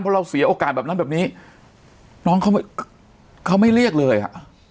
เพราะเราเสียโอกาสแบบนั้นแบบนี้น้องเขาไม่เรียกเลยอ่ะ